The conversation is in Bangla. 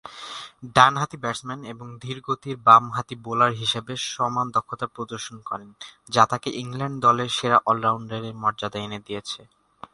ডানহাতি ব্যাটসম্যান এবং ধীরগতির বামহাতি বোলার হিসেবে সমান দক্ষতা প্রদর্শন করেন যা তাকে ইংল্যান্ড দলের সেরা অল-রাউন্ডারের মর্যাদা এনে দিয়েছে।